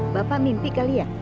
bapak mimpi kali ya